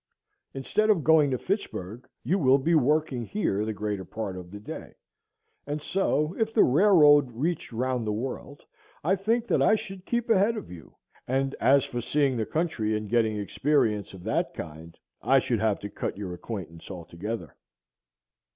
Instead of going to Fitchburg, you will be working here the greater part of the day. And so, if the railroad reached round the world, I think that I should keep ahead of you; and as for seeing the country and getting experience of that kind, I should have to cut your acquaintance altogether.